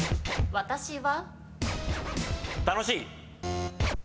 私は。